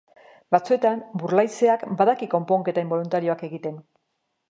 Batzuetan, burlaizeak badaki konponketa inboluntarioak egiten.